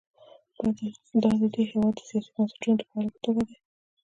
دا د دې هېواد د سیاسي بنسټونو د پایلې په توګه دي.